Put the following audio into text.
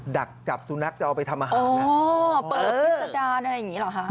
ดักจับสุนัขจะเอาไปทำอาหารอ๋อเปิดพิษดารอะไรอย่างนี้หรอคะ